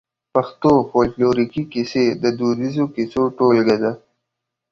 پښتو فولکلوريکي کيسې د دوديزو کيسو ټولګه ده.